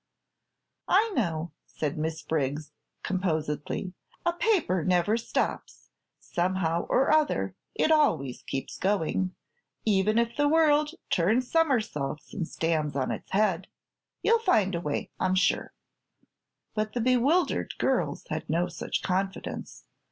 "I know," said Miss Briggs, composedly. "A paper never stops. Somehow or other it always keeps going even if the world turns somersaults and stands on its head. You'll find a way, I'm sure." But the bewildered girls had no such confidence.